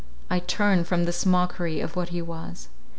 I turn from this mockery of what he was.